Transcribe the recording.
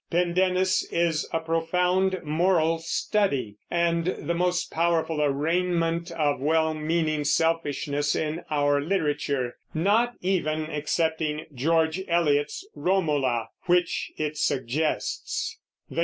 Pendennis is a profound moral study, and the most powerful arraignment of well meaning selfishness in our literature, not even excepting George Eliot's Romola, which it suggests.